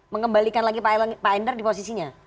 mengembalikan lagi pak endar di posisinya